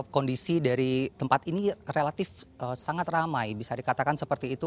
kondisi dari tempat ini relatif sangat ramai bisa dikatakan seperti itu